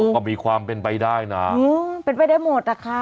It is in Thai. ก็มีความเป็นไปได้นะเป็นไปได้หมดนะคะ